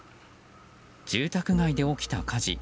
住宅街で起きた火事。